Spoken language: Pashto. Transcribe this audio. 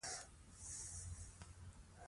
موږ به دغې ورځې ته ورسېږو.